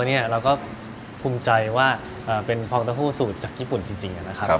เราก็ภูมิใจว่าเป็นฟองเต้าหู้สูตรจากญี่ปุ่นจริงนะครับ